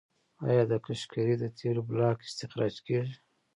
آیا د قشقري د تیلو بلاک استخراج کیږي؟